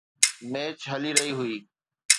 Match هلي رهي هئي.